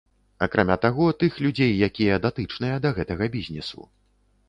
Акрамя таго, тых людзей, якія датычныя да гэтага бізнесу.